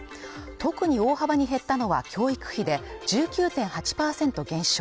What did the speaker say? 特に大幅に減ったのは教育費で１９．８％減少